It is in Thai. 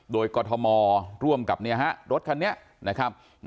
โดยกรทมร่วมกับรถคันนี้นะครับ